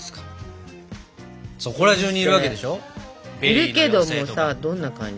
いるけどもさどんな感じ？